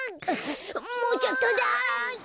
もうちょっとだ。